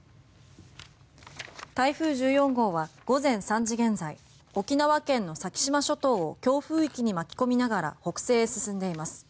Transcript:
台風１４号は午前３時現在沖縄県の先島諸島を強風域に巻き込みながら北西へ進んでいます。